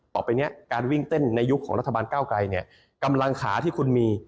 ต่อไปเนี่ยการวิ่งเต้นในยุคของรัฐบาลก้าวไกลเนี่ยกำลังขาที่คุณมี